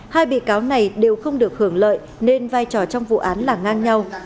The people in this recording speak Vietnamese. hai bị cáo này đều không được hưởng lợi nên vai trò trong vụ án là ngang nhau